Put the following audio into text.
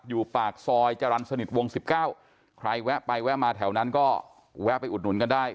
อยู่ปากซอยจรรย์สนิทวง๑๙ใครแวะไปแวะมาแถวนั้นก็แวะไปอุดหนุนกันได้